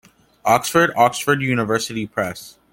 Oxford: Oxford University Press.